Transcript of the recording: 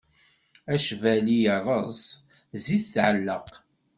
Acbali irreẓ, zzit tɛelleq.